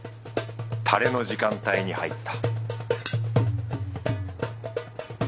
タレの時間帯に入った